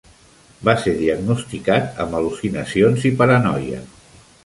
Va ser diagnosticat amb al·lucinacions i paranoia.